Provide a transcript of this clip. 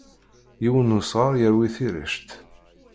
Yiwen n usɣar yerwi tirect.